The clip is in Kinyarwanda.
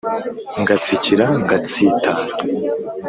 Ngatsikira ngatsitara